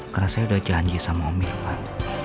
karena saya udah janji sama om irfan